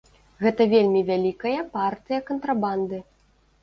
Гэта вельмі вялікая партыя кантрабанды.